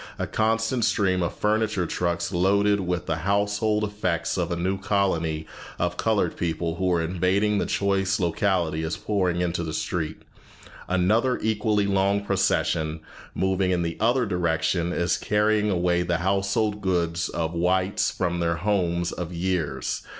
A constant stream of furniture trucks loaded with the household effects of a new colony of colored people who are invading the choice locality is pouring into the street. Another equally long procession, moving in the other direction, is carrying away the household goods of the whites from their homes of years."